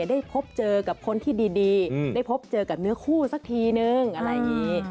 ได้พบเจอกับคนที่ดีได้พบเจอกับเนื้อคู่สักทีนึงอะไรอย่างนี้